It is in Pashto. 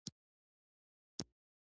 سرتیری د وطن ساتونکی دی